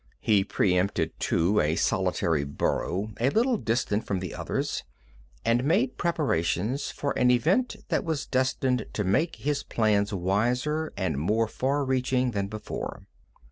He preempted, too, a solitary burrow a little distant from the others, and made preparations for an event that was destined to make his plans wiser and more far reaching than before.